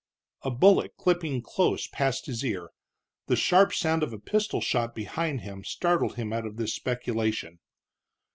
A bullet clipping close past his ear, the sharp sound of a pistol shot behind him, startled him out of this speculation.